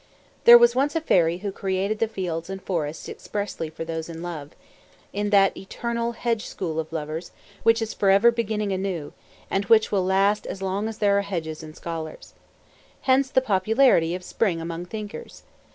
There was once a fairy who created the fields and forests expressly for those in love,—in that eternal hedge school of lovers, which is forever beginning anew, and which will last as long as there are hedges and scholars. Hence the popularity of spring among thinkers.